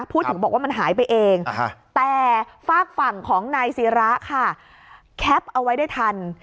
บอกว่ามันหายไปเองแต่ฝากฝั่งของนายศิระค่ะแคปเอาไว้ได้ทัน